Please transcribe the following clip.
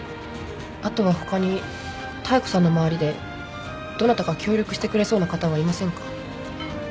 あとは他に妙子さんの周りでどなたか協力してくれそうな方はいませんか？